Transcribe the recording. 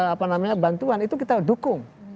apa namanya bantuan itu kita dukung